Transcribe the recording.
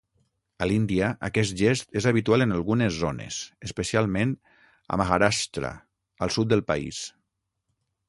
A l'Índia, aquest gest és habitual en algunes zones, especialment a Maharashtra, al sud del país.